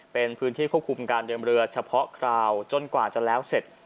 เป็นพื้นที่ควบคุมการเดินเรือเฉพาะคราวจนกว่าจะแล้วเสร็จ